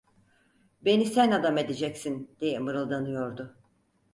"Beni sen adam edeceksin!" diye mırıldanıyordu.